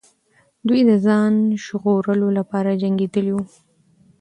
دوی د ځان ژغورلو لپاره جنګېدلې وو.